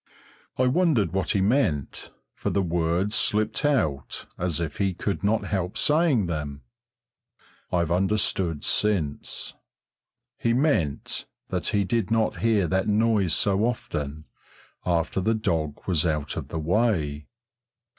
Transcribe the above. I wondered what he meant, for the words slipped out as if he could not help saying them. I've understood since. He meant that he did not hear that noise so often after the dog was out of the way.